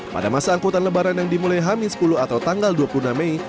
pada masa angkutan lebaran yang dimulai hamin sepuluh atau tanggal dua puluh enam mei